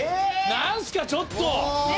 何すかちょっと！